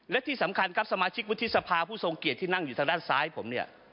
และที่สำคัญครับสมาชิกวุฒิสภาผู้ทรงเกียจที่นั่งอยู่ทางด้านซ้ายผมเนี่ย